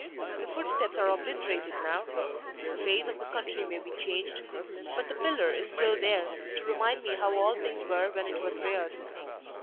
The footsteps are obliterated now; the face of the country may be changed; but the pillar is still there, to remind me how all things were when it was reared.